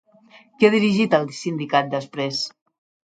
Qui ha dirigit el sindicat després?